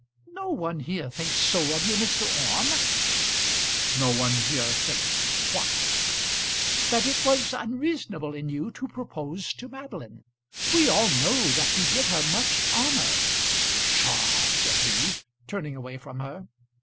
"No one here thinks so of you, Mr. Orme." "No one here thinks what?" "That it was unreasonable in you to propose to Madeline. We all know that you did her much honour." "Psha!" said he, turning away from her.